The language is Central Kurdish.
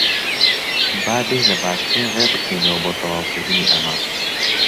با بیر لە باشترین ڕێ بکەینەوە بۆ تەواوکردنی ئەمە.